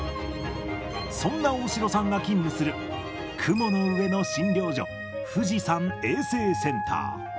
そんな大城さんが勤務する雲の上の診療所、富士山衛生センター。